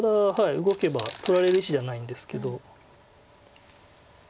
動けば取られる石じゃないんですけど。